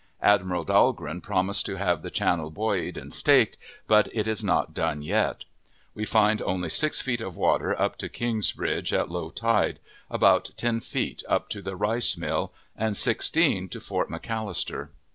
Admiral Dahlgren promised to have the channel buoyed and staked, but it is not done yet. We find only six feet of water up to King's Bridge at low tide, about ten feet up to the rice mill, and sixteen to Fort McAllister.